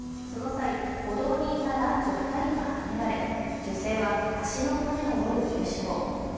その際、歩道にいた男女２人がはねられ、女性は足の骨を折る重傷。